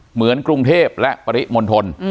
เหมือนกรุงเทพและปริมณฑล